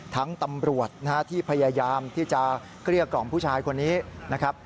ตำรวจนะฮะที่พยายามที่จะเกลี้ยกล่อมผู้ชายคนนี้นะครับ